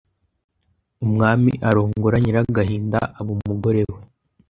Umwami arongora Nyiragahinda aba umugore we